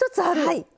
はい。